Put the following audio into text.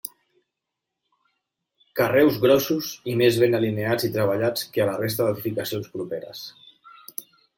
Carreus grossos i més ben alineats i treballats que la resta d'edificacions properes.